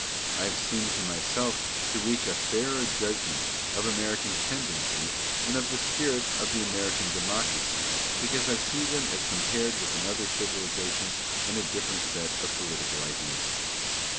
I have seemed to myself to reach a fairer judgment of American tendencies and of the spirit of the American democracy, because I see them as compared with another civilization and a different set of political ideas.